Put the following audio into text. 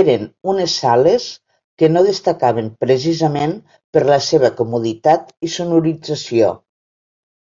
Eren unes sales que no destacaven precisament per la seva comoditat i sonorització.